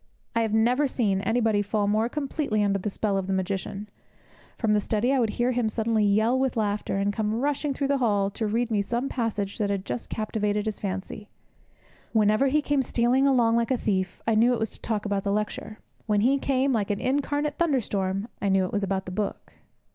I have never seen anybody fall more completely under the spell of the magician. From the study I would hear him suddenly yell with laughter, and come rushing through the hall to read me some passage that had just captivated his fancy. Whenever he came stealing along like a thief, I knew it was to talk about the lecture; when he came like an incarnate thunderstorm, I knew it was about the book.